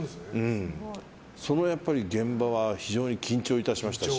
その現場は非常に緊張いたしましたし